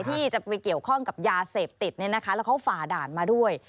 ที่จะไปเกี่ยวข้องกับยาเสพติดแล้วเขาฝ่าด่านมาด้วย